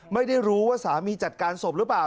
ไม่รู้ว่าสามีจัดการศพหรือเปล่า